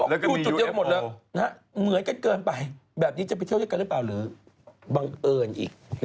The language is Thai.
แล้วก็มีอยู่เอฟโอเหมือนกันเกินไปแบบนี้จะไปเที่ยวเที่ยวกันหรือบังเอิญอีก